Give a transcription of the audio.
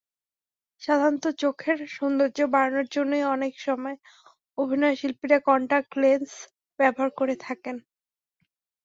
সাধারণত চোখের সৌন্দর্য বাড়ানোর জন্যই অনেক সময় অভিনয়শিল্পীরা কন্টাক্ট লেন্স ব্যবহার করে থাকেন।